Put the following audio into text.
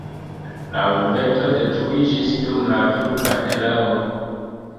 La urbeto detruiĝis dum la turka erao.